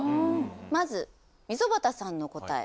まず溝端さんの答え。